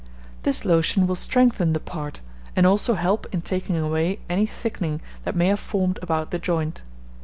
This lotion will strengthen the part, and also help in taking away any thickening that may have formed about the joint.